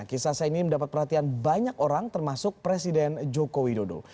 kisah saini mendapat perhatian banyak orang termasuk presiden joko widodo